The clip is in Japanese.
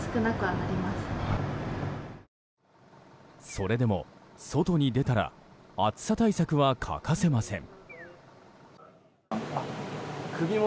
それでも外に出たら暑さ対策は欠かせません。